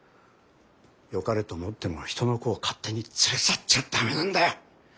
よかれと思ってもひとの子を勝手に連れ去っちゃダメなんだよ。